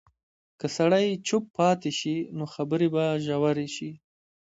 که سړی چوپ پاتې شي، نو خبرې به ژورې شي.